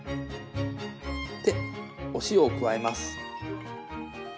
でお塩を加えます。